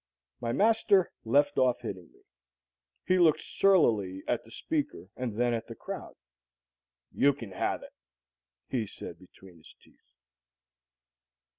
My master left off hitting me. He looked surlily at the speaker and then at the crowd. "You can have it," he said between his teeth.